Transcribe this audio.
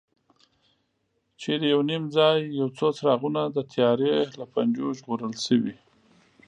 چېرته یو نیم ځای یو څو څراغونه د تیارې له پنجو ژغورل شوي.